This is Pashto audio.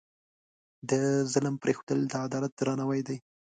د ظلم پرېښودل، د عدالت درناوی دی.